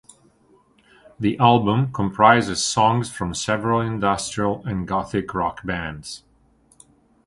The album comprises songs from several industrial and gothic rock bands.